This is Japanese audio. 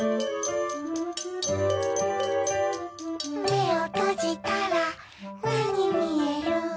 「めをとじたらなにみえる？」